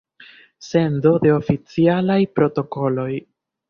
Sendo de oficialaj protokoloj.